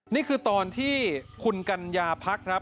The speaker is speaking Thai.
นี่คือตอนที่คุณกัญญาพักครับ